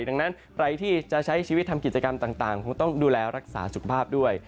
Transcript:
ดังนั้นใครที่จะใช้ชีวิตทำกิจกรรมต่างคงต้องดูแลรักษาสุขภาพด้วย